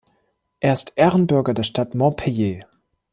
Er ist Ehrenbürger der Stadt Montpellier.